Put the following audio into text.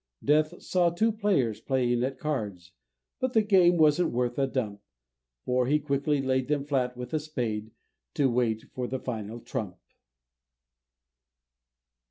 Death saw two players playing at cards, But the game wasn't worth a dump, For he quickly laid them flat with a spade, To wait for the final trump!